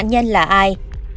nạn nhân là ai